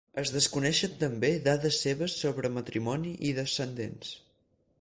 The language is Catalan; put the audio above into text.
Es desconeixen també dades seves sobre matrimoni i descendents.